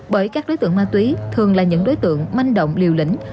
bởi các đối tượng ma túy thường là những đối tượng manh động liều lĩnh